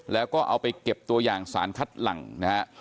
แล้วก็เอาไปเก็บตัวอย่างสารคัดหลังนะฮะ